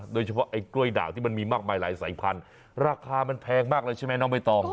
โดยเฉพาะไอ้กล้วยด่างที่มันมีมากมายหลายสายพันธุ์ราคามันแพงมากเลยใช่ไหมน้องใบตอง